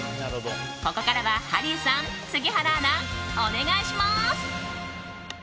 ここからはハリーさん、杉原アナお願いします！